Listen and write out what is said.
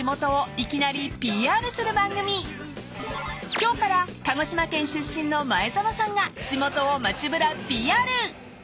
［今日から鹿児島県出身の前園さんが地元を街ぶらＰＲ］